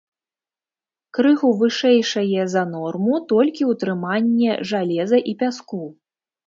Крыху вышэйшае за норму толькі ўтрыманне жалеза і пяску.